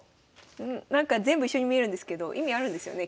なんか全部一緒に見えるんですけど意味あるんですよね？